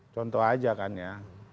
contoh aja kan ya